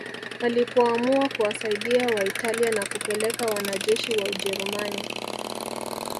Alipoamua kuwasaidia Waitalia na kupeleka wanajeshi wa Ujerumani